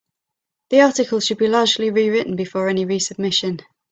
The article should be largely rewritten before any resubmission.